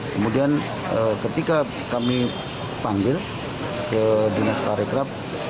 kemudian ketika kami panggil ke dinas parekraf